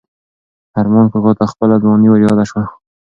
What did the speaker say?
ارمان کاکا ته خپله ځواني وریاده شوه.